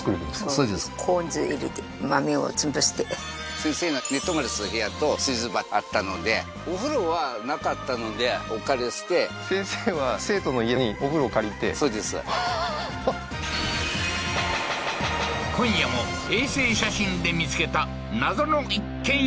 そうですこうじ入れて豆を潰して先生が寝泊まりする部屋と炊事場あったのでお風呂はなかったのでお借りして先生は生徒の家にお風呂を借りてそうです今夜も浅田さん